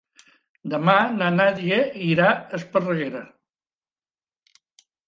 Demà na Nàdia irà a Esparreguera.